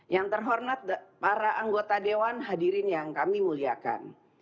yang terhormat para anggota dewan hadirin yang kami muliakan